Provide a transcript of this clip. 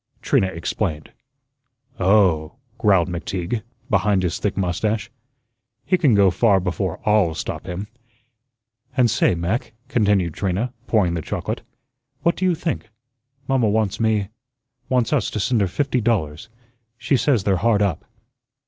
Trina explained. "Oh!" growled McTeague, behind his thick mustache, "he can go far before I'LL stop him." "And, say, Mac," continued Trina, pouring the chocolate, "what do you think? Mamma wants me wants us to send her fifty dollars. She says they're hard up."